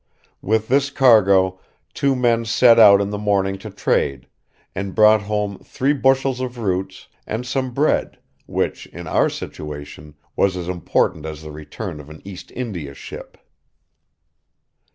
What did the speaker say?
With this cargo two men set out in the morning to trade, and brought home three bushels of roots and some bread, which, in our situation, was as important as the return of an East India ship."